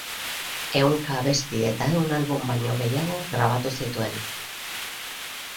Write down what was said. Ehunka abesti eta ehun album baino gehiago grabatu zituen.